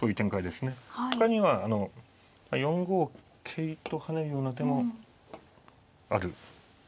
他には４五桂と跳ねるような手もある。